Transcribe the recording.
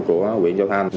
của huyện châu thành